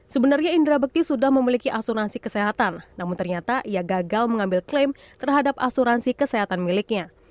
sebenarnya indra bekti sudah memiliki asuransi kesehatan namun ternyata ia gagal mengambil klaim terhadap asuransi kesehatan miliknya